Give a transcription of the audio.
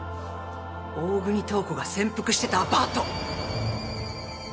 大國塔子が潜伏してたアパート！